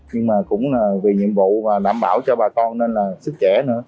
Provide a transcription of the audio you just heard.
nhưng mà cũng là vì nhiệm vụ và đảm bảo cho bà con nên là sức trẻ nữa